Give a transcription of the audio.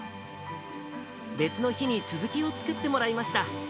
別の日に続きを作ってもらいました。